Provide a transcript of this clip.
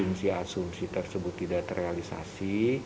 memang apabila asumsi asumsi tersebut tidak terrealisasi